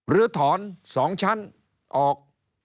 รือถอนสองชั้นออก